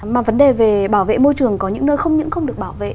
mà vấn đề về bảo vệ môi trường có những nơi không những không được bảo vệ